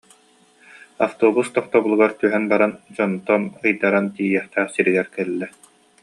Автобус тохтобулугар түһэн баран, дьонтон ыйдаран тиийиэхтээх сиригэр кэллэ